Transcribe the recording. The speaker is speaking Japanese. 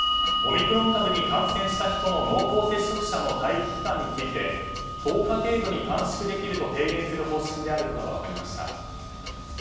オミクロン株に感染した人の濃厚接触者の待機期間について１０日程度に短縮できると提言する方針であることが分かりました。